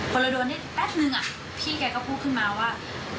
พอเราโดนได้แป๊บนึงพี่แกก็พูดขึ้นมาว่า